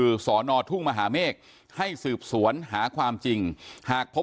คือสอนอทุ่งมหาเมฆให้สืบสวนหาความจริงหากพบ